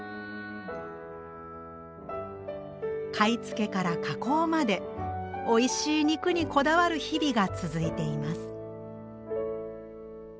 買い付けから加工までおいしい肉にこだわる日々が続いています。